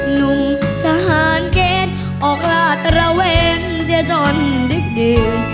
หนุ่มทหารเกณฑ์ออกลาดตระเวนเดี๋ยวจนดึกดื่น